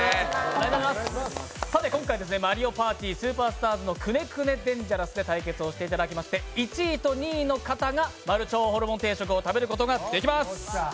今回「マリオパーティスーパースターズ」の「くねくねデンジャラス」で対決をしていただきまして１位と２位の方が丸腸ホルモン定食を食べることができます。